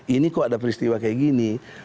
ini kok ada peristiwa kayak gini